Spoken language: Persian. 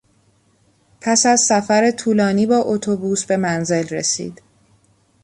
پس از سفر طولانی با اتوبوس به منزل رسید.